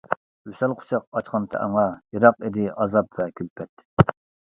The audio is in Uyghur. ۋىسال قۇچاق ئاچقانتى ئاڭا، يىراق ئىدى ئازاب ۋە كۈلپەت.